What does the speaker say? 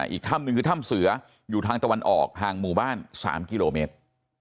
อีกถ้ำหนึ่งคือถ้ำเสืออยู่ทางตะวันออกห่างหมู่บ้าน๓กิโลเมตร